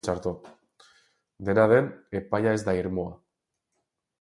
Dena den, epaia ez da irmoa.